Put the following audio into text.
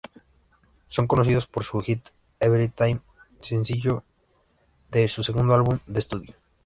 Son conocidos por su hit "Everytime", primer sencillo de su segundo álbum de estudio.